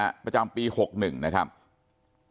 คุณยายบอกว่ารู้สึกเหมือนใครมายืนอยู่ข้างหลัง